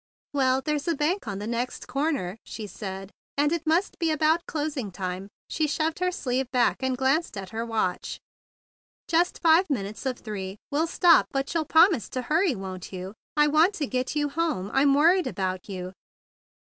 "Well, there's a bank on the next comer," she said; "and it must be about closing time." She shoved her sleeve back, and glanced at her watch. "Just five minutes of three. We'll stop, but you'll promise to hurry, won't you? I want to get you home. I'm worried about you."